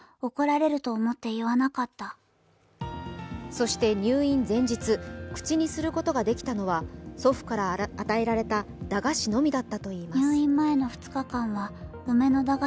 そして、入院前日、口にすることができたのは祖父から与えられた駄菓子のみだったといいます。